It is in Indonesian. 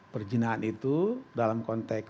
perjinaan itu dalam konteks